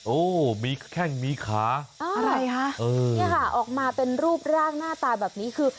โอ้มีแข้งมีขาอะไรคะเออเนี่ยค่ะออกมาเป็นรูปร่างหน้าตาแบบนี้คือ